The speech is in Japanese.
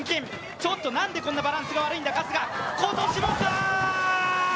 ちょっと、なんでこんなバランスが悪いんだ、春日！